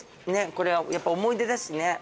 これはやっぱ思い出だしね。